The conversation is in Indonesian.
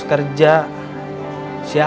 memberkannya ga ke lubang sama saya